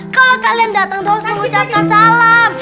kalau kalian datang terus mengucapkan salam